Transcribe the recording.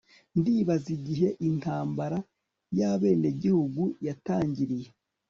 Ndibaza igihe Intambara yabenegihugu yatangiriye